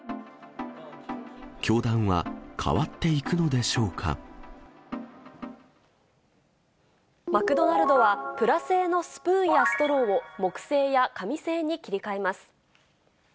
教団は、変わっていくのでしマクドナルドは、プラ製のスプーンやストローを、木製や紙製に切り替えます。